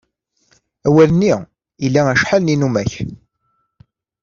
Awal-nni ila acḥal n yinumak.